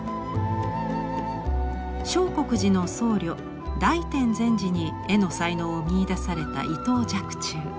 相国寺の僧侶大典禅師に絵の才能を見いだされた伊藤若冲。